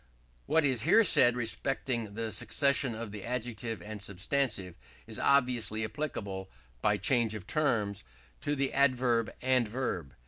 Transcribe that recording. What is here said respecting the succession of the adjective and substantive is obviously applicable, by change of terms, to the adverb and verb.